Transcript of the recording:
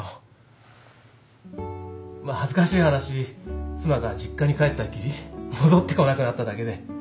まあ恥ずかしい話妻が実家に帰ったっきり戻ってこなくなっただけで。